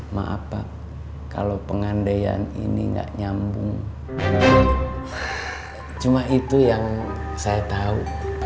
maaf pak kalau pengandaian ini gak nyambung jadi cuma itu yang saya tahu